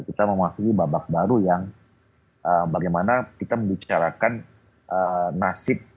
kita memasuki babak baru yang bagaimana kita membicarakan nasib